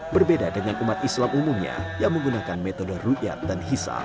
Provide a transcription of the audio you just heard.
berbeda dengan umat islam umumnya yang menggunakan metode rukyat dan hisab